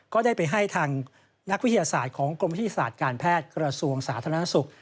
ก็ได้ไปให้ทางนักวิทยาศาสตร์ของกรมวิทยาศาสตร์การแพทย์กระทรวงสาธารณสุข